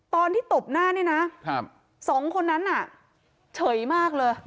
ตอนที่ตบหน้านี่นะสองคนนั้นน่ะเฉยมากเลย